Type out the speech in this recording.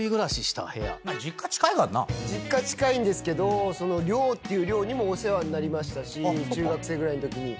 実家近いんですけど寮っていう寮にもお世話になりましたし中学生ぐらいのときに。